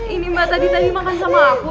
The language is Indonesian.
ini mbak tadi tadi makan sama aku